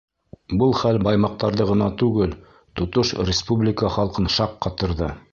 Был хәл баймаҡтарҙы ғына түгел, тотош республика халҡын шаҡ ҡатырҙы.